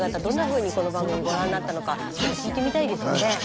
どんなふうにこの番組ご覧になったのかちょっと聞いてみたいですよね。